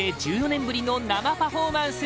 １４年ぶりの生パフォーマンス！